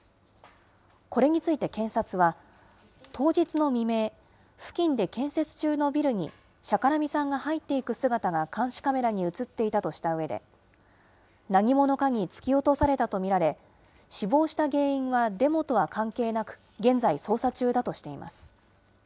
これについて検察は、当日の未明、付近で建設中のビルにシャカラミさんが入っていく姿が監視カメラに写っていたとしたうえで、何者かに突き落とされたと見られ、死亡した原因がデモとは関係なく、現在、捜査中だとしています。